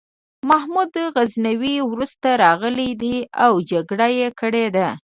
محمود غزنوي وروسته راغلی دی او جګړه یې کړې ده.